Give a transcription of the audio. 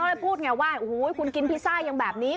แล้วก็พูดไงว่าอูหูคุณกินพิซซ่ายังแบบนี้